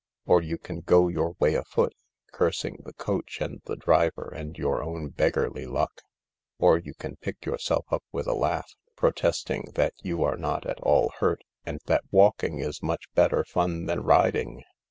Or you can go your way afoot, cursing the coach and the driver and your own beggarly luck. Or you can pick yourself up with a laugh, protesting that you are not at all hurt and that walking is much better fun than riding.